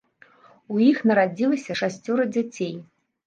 У іх нарадзілася шасцёра дзяцей.